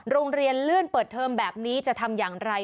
เลื่อนเปิดเทอมแบบนี้จะทำอย่างไร